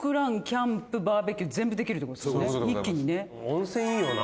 温泉いいよな。